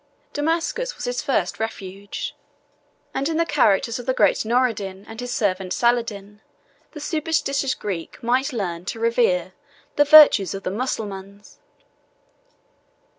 Damascus was his first refuge; and, in the characters of the great Noureddin and his servant Saladin, the superstitious Greek might learn to revere the virtues of the Mussulmans.